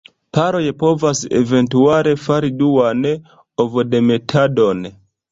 Paroj povas eventuale fari duan ovodemetadon.